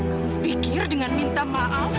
kamu pikir dengan minta maaf